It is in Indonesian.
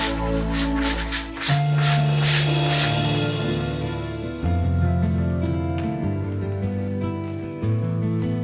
aku gak mau